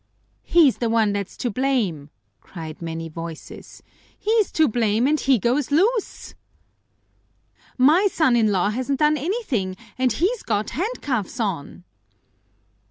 "He's the one that's to blame!" cried many voices. "He's to blame and he goes loose!" "My son in law hasn't done anything and he's got handcuffs on!"